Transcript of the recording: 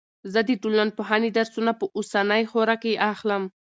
زه د ټولنپوهنې درسونه په اوسنۍ خوره کې اخلم.